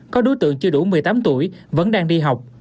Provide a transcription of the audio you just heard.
có đối tượng chưa đủ một mươi tám tuổi vẫn đang đi học